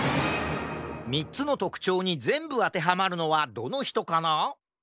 ３つのとくちょうにぜんぶあてはまるのはどのひとかな？